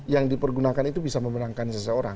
yang dipergunakan itu bisa memenangkan seseorang